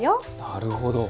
なるほど。